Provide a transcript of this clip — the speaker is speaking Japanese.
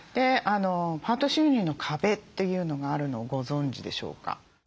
「パート収入の壁」というのがあるのをご存じでしょうか。